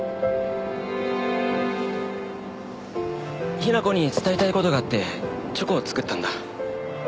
雛子に伝えたい事があってチョコを作ったんだ。